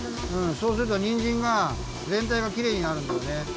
そうするとにんじんがぜんたいがきれいになるんだよね。